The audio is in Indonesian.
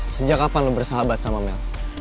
sejak kapan lo bersahabat sama mel